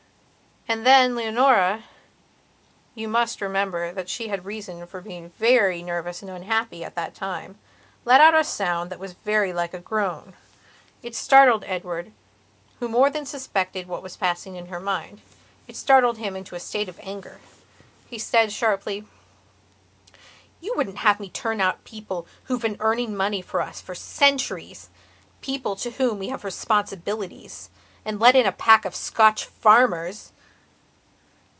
And then Leonorayou must remember that she had reason for being very nervous and unhappy at that timelet out a sound that was very like a groan. It startled Edward, who more than suspected what was passing in her mindit startled him into a state of anger. He said sharply: "You wouldn't have me turn out people who've been earning money for us for centuriespeople to whom we have responsibilitiesand let in a pack of Scotch farmers?"